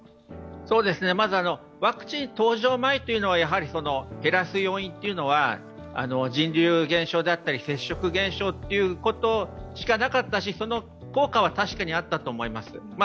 まずワクチン登場前というのは減らす要因というのは人流減少や接触減少しかなかったしその効果は確かにあったと思います。